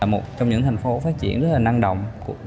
một trong những thành phố phát triển rất là năng động